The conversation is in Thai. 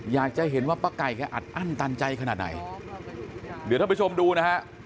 อยากจะเห็นว่าป้าไก่แกอัดอั้นตันใจขนาดไหนเดี๋ยวท่านผู้ชมดูนะฮะ